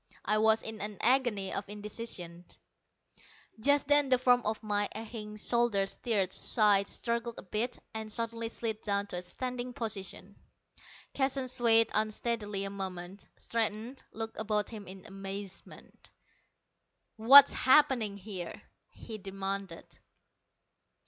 I was in an agony of indecision. Just then the form on my aching shoulder stirred, sighed, struggled a bit, and suddenly slid down to a standing position. Keston swayed unsteadily a moment, straightened, looked about him in amazement. "What's happening here?" he demanded.